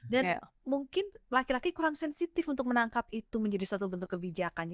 dan mungkin laki laki kurang sensitif untuk menangkap itu menjadi satu bentuk kebijakannya